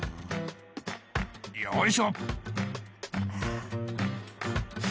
よいしょ。